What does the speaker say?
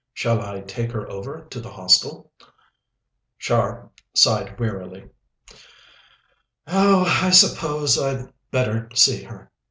Shall I take her over to the Hostel?" Char sighed wearily. "Oh, I suppose I'd better see her.